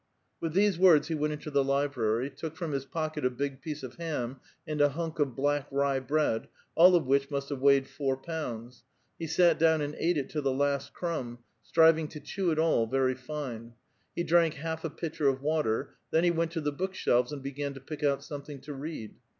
^ith these words he went into the library ; took from his :et a big piece of ham and a hunk of black rye bread — >f which must have weighed four pounds ;. he sat down ate it to the last crumb, striving to cliew it all very fine ; rank half a pitcher of water ; then he went to the book ves and began to pick out something to read.